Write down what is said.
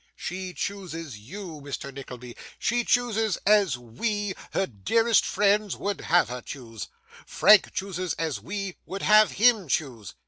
She chooses you, Mr. Nickleby. She chooses as we, her dearest friends, would have her choose. Frank chooses as we would have HIM choose.